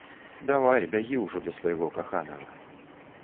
Давай, бягі ўжо да свайго каханага.